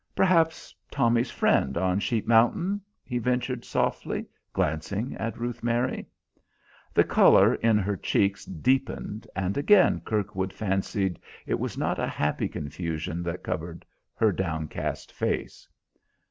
Perhaps Tommy's friend, on Sheep Mountain?" he ventured softly, glancing at Ruth Mary. The color in her cheeks deepened, and again Kirkwood fancied it was not a happy confusion that covered her downcast face.